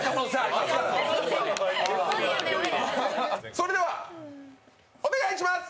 それではお願いします。